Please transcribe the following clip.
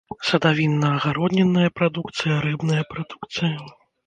Садавінна-агароднінная прадукцыя, рыбная прадукцыя.